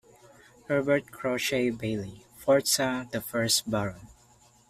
Herbert Crawshay Bailey, fourth son of the first Baron.